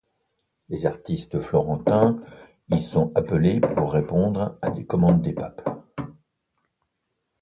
Les artistes florentins y sont appelés pour répondre à des commandes des papes.